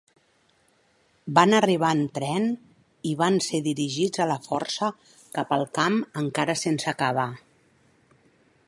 Van arribar en tren i van ser dirigits a la força cap al camp encara sense acabar.